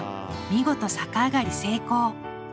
見事逆上がり成功！